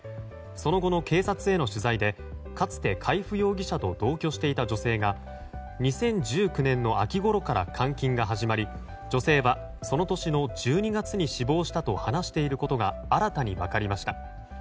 その後の警察への取材でかつて海部容疑者と同居していた女性が２０１９年の秋ごろから監禁が始まり女性は、その年の１２月に死亡したと話していることが新たに分かりました。